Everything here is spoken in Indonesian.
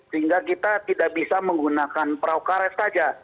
sehingga kita tidak bisa menggunakan traukaret saja